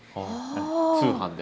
通販で。